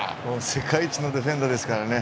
世界一のディフェンダーですからね。